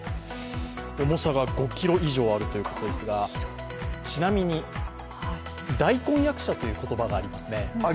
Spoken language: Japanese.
重さが５ｋｇ以上あるということですが、ちなみに大根役者という言葉がありますね。